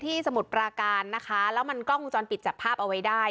ที่สมุดปลาการพรานดากล้องมูลจอลปิดจับภาพเอาไว้ได้